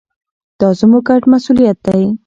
دا زموږ ګډ مسوولیت دی.